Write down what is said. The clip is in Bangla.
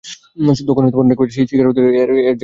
তখন অনেকে পাখি শিকার করতে এলে এয়ারগান নিয়ে আমার কাছে আসত।